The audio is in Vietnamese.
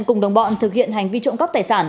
cùng đồng bọn thực hiện hành vi trộm cắp tài sản